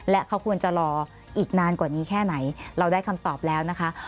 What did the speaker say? และเขาควรจะรออีกนานกว่านี้แค่ไหนเราได้คำตอบแล้วนะคะ